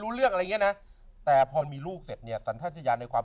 รู้เรื่องอะไรอย่างเงี้ยนะแต่พอมีลูกเสร็จเนี่ยสัญชาติยานในความ